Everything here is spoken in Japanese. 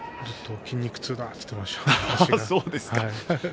筋肉痛だと本人が言っていました。